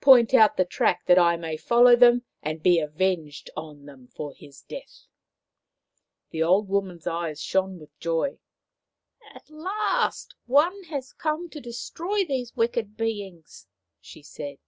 Point out the track that I may follow them and be avenged on them for his death." The old woman's eyes shone with joy. " At last one has come to destroy these wicked beings !" she said.